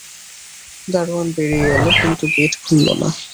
দারোয়ান বেরিয়ে এল, কিন্তু গেট খুলল না!